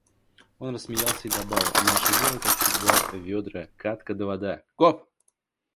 – Он рассмеялся и добавил: – Наше дело, как всегда: ведра, кадка да вода… Гоп!